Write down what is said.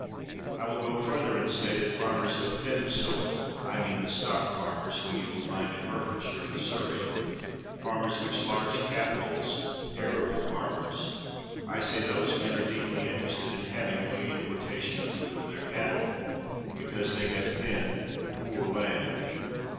I will go further and say, that farmers with thin soil — I mean the stock farmers, whom you will find in Hertfordshire and Surrey, farmers with large capitals, arable farmers — I say those men are deeply interested in having a free im portation of food for their cattle, because they have thin, poor land.